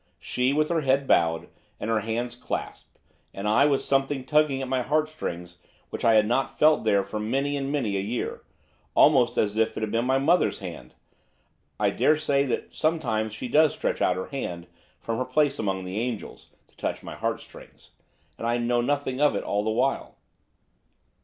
She with her head bowed, and her hands clasped; and I with something tugging at my heart strings which I had not felt there for many and many a year, almost as if it had been my mother's hand; I daresay that sometimes she does stretch out her hand, from her place among the angels, to touch my heart strings, and I know nothing of it all the while.